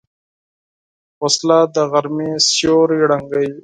وسله د غرمې سیوری ړنګوي